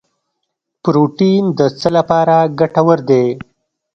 پروټین د څه لپاره ګټور دی